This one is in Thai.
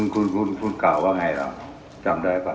คุณกล่าวว่าไงแล้วจำได้ป่ะครับ